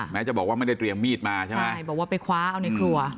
แม้จะบอกว่าไม่ได้เตรียมมีดมาใช่ไหมใช่บอกว่าไปคว้าเอาในครัว